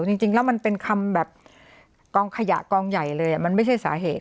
จริงแล้วมันเป็นคำแบบกองขยะกองใหญ่เลยมันไม่ใช่สาเหตุ